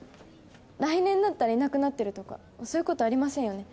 来年になったらいなくなってるとかそういうことありませんよね？